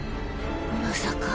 まさか。